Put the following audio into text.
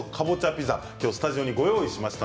ピザスタジオにご用意しました。